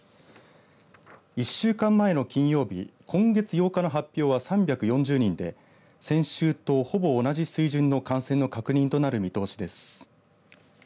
１週間前の金曜日今月８日の発表は３４０人で先週とほぼ同じ水準の感染の確認となる見通しです。